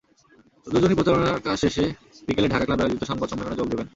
দুজনই প্রচারণার কাজ শেষে বিকেলে ঢাকা ক্লাবে আয়োজিত সংবাদ সম্মেলনে যোগ দেবেন।